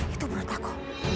itu menurut aku